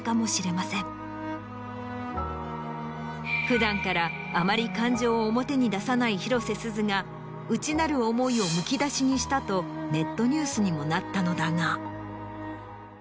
普段からあまり感情を表に出さない広瀬すずが内なる思いをむき出しにしたとネットニュースにもなったのだが。